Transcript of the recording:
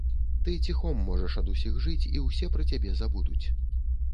Ты ціхом можаш ад усіх жыць, і ўсе пра цябе забудуць.